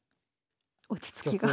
落ち着きが。